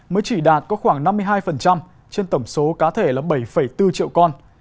mới chỉ đạt có khoảng năm mươi hai trên tổng số cá thể là bảy bốn triệu con